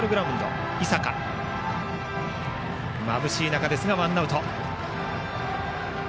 まぶしい中ですがワンアウト。